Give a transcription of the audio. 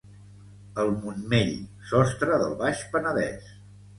El Montmell, sostre del Baix Penedès.